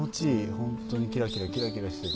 ホントにキラキラキラキラしてて。